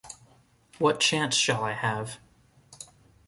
What chance shall I have?